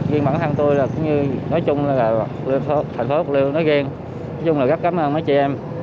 riêng bản thân tôi là cũng như nói chung là tp bạc liêu nói riêng nói chung là rất cám ơn mấy chị em